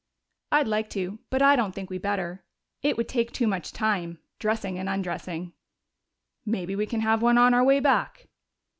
"I'd like to, but I don't think we better. It would take too much time, dressing and undressing." "Maybe we can have one on our way back."